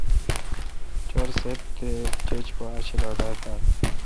چار سیت تے°چھج پا اک چھلا ڈھا تال۔